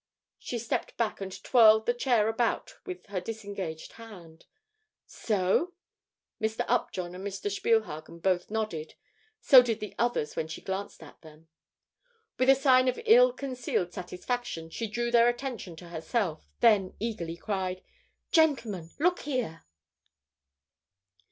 She stepped back and twirled the chair about with her disengaged hand. "So?" Mr. Upjohn and Mr. Spielhagen both nodded, so did the others when she glanced at them. With a sign of ill concealed satisfaction, she drew their attention to herself; then eagerly cried: "Gentlemen, look here!"